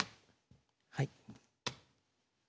はい。